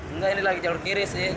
enggak ini lagi jalur kiri sih